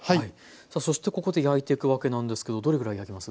そしてここで焼いていくわけなんですけどどれぐらい焼きます？